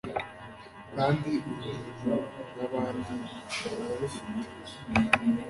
kandi urujijo nabandi bararufite